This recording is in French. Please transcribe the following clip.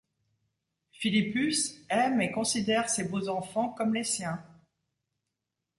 Philippus aime et considère ses beaux-enfants comme les siens.